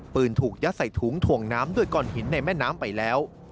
ปืนถูกยัดใส่ถุงถ่วงน้ำด้วยก้อนหินในแม่น้ำไปแล้ว